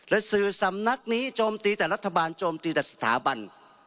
และสื่อสำนักนี้โจมตีแต่รัฐบาลโจมตีแต่สถาบัน